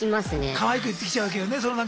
かわいく言ってきちゃうわけよね。